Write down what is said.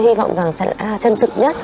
hy vọng rằng sẽ là chân thực nhất